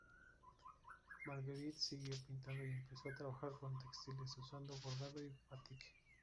Marguerite siguió pintando y empezó a trabajar con textiles, usando bordado y "batik.